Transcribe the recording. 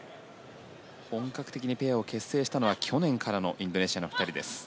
本格的にペアを結成したのは去年からのインドネシアの２人です。